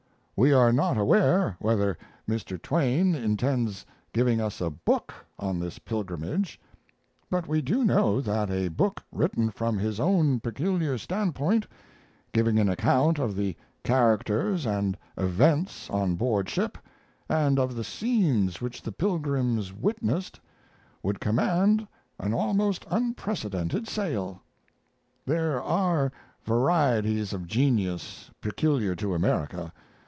We are not aware whether Mr. Twain intends giving us a book on this pilgrimage, but we do know that a book written from his own peculiar standpoint, giving an account of the characters and events on board ship and of the scenes which the pilgrims witnessed, would command an almost unprecedented sale. There are varieties of genius peculiar to America.